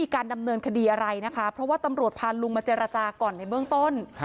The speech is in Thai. การดำเนินคดีอะไรนะคะเพราะว่าตำรวจพาลุงมาเจรจาก่อนในเบื้องต้น